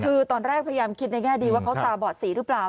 คือตอนแรกพยายามคิดในแง่ดีว่าเขาตาบอดสีหรือเปล่า